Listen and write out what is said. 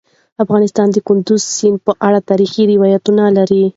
افغانستان د کندز سیند په اړه تاریخي روایتونه لري.